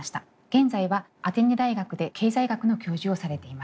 現在はアテネ大学で経済学の教授をされています。